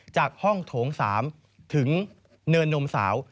จากห้องโถง๓ถึงเนินนมสาว